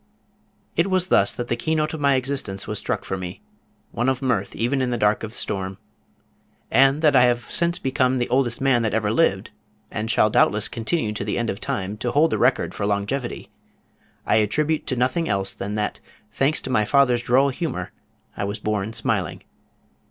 It was thus that the keynote of existence was struck for me, one of mirth even in the dark of storm, and that I have since become the oldest man that ever lived, and shall doubtless continue to the end of time to hold the record for longevity, I attribute to nothing else than that, thanks to my father's droll humor, I was born smiling.